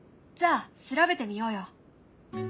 じゃあ調べてみようよ。